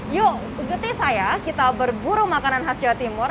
yuk ikuti saya kita berburu makanan khas jawa timur